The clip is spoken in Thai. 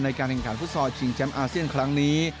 ในการแข่งขันฟุตซอลชิงแชมป์อาเซียนครั้งนี้